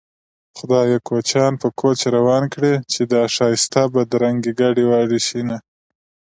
خدايه کوچيان په کوچ روان کړې چې دا ښايسته بدرنګې ګډې وډې شينه